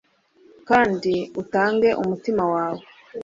kandi utange umutima wawe